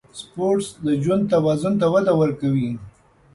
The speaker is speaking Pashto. سپورت د ژوند توازن ته وده ورکوي.